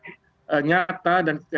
oke saya kira itu sudah sangat